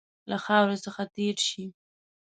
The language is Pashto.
له خاوري څخه تېر شي.